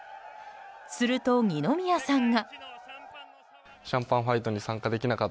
すると、二宮さんが。